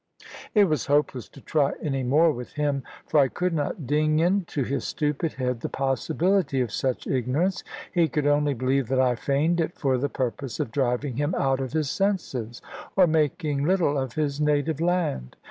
It was hopeless to try any more with him, for I could not ding into his stupid head the possibility of such ignorance. He could only believe that I feigned it for the purpose of driving him out of his senses, or making little of his native land.